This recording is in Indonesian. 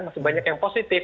masih banyak yang positif